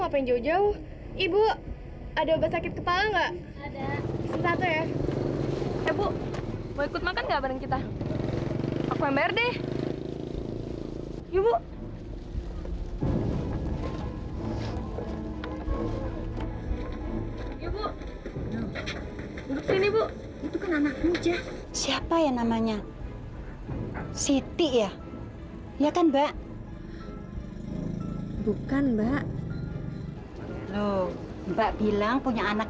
silahkan masuk dulu kak